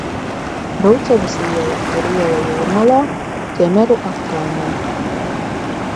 Rucavas iela ir iela Jūrmalā, Ķemeru apkaimē.